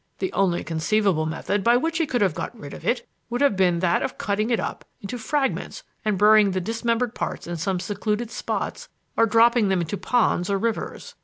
The only conceivable method by which he could have got rid of it would have been that of cutting it up into fragments and burying the dismembered parts in some secluded spots or dropping them into ponds or rivers.